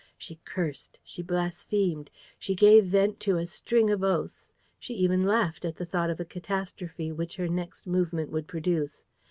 She cursed. She blasphemed. She gave vent to a string of oaths. She even laughed, at the thought of the catastrophe which her next movement would produce.